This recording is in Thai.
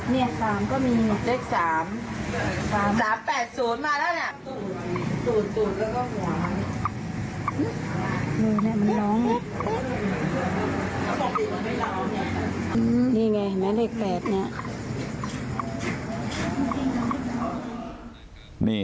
นี่ไงเห็นไหมเลขแปดเนี่ย